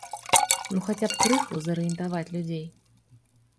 Ну хаця б крыху зарыентаваць людзей.